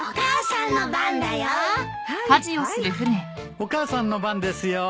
お母さんの番ですよ。